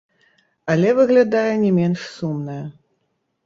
Але, выглядае, не менш сумная.